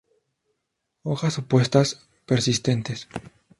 Hojas opuestas, persistentes.